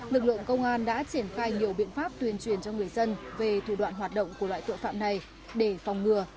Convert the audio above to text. lực lượng công an đã triển khai nhiều biện pháp tuyên truyền cho người dân về thủ đoạn hoạt động của loại tội phạm này để phòng ngừa